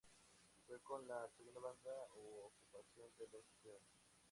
Fue como la "segunda banda" u ocupación de los integrantes.